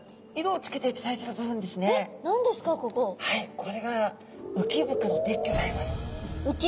これが鰾でギョざいます。